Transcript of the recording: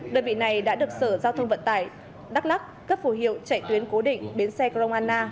đơn vị này đã được sở giao thông vận tải đắk lắc cấp phủ hiệu chạy tuyến cố định bến xe gromana